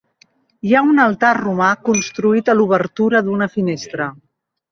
Hi ha un altar romà construït a l'obertura d'una finestra.